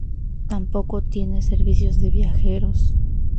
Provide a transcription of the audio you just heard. Tampoco tiene servicios de viajeros.